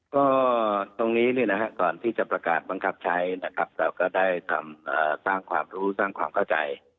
ก็ตรงนี้ก่อนที่จะประกาศบังคับใช้นะครับเราก็ได้สร้างความรู้สร้างความเข้าใจ